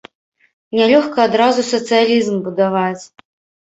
Нялёгка адразу сацыялізм будаваць.